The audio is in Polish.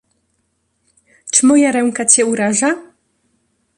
"Czy moja ręka cię uraża?"